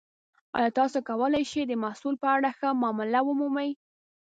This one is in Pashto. ایا تاسو کولی شئ د محصول په اړه ښه معامله ومومئ؟